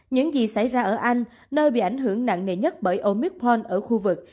những gì xảy ra ở anh nơi bị ảnh hưởng nặng nề nhất bởi omicron ở khu vực